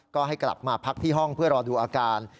ก็ให้กลับมาพักที่ห้องเพื่อรอดูอาการ